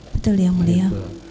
betul ya mulya